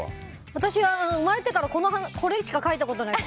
私は生まれてからこれしか書いたことがない。